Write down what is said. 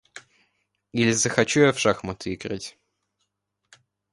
Или захочу я в шахматы играть.